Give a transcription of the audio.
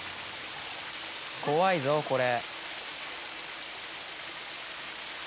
怖いぞこれ。